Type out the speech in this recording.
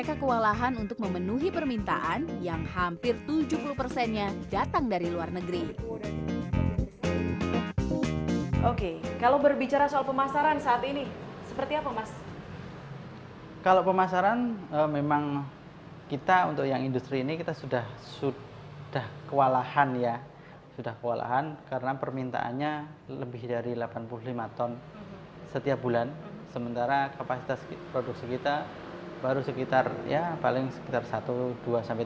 kalau untuk offline kita memang ada toko di sini di outlet jalan kali orang km dua belas